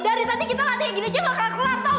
dari tadi kita latihan gini aja gak kelar kelar tau gak